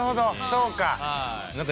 そうか。